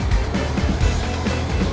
saya belum telepon usep